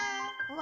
「わ！」